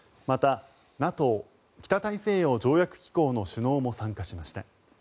またＮＡＴＯ・北大西洋条約機構の首脳も参加しました。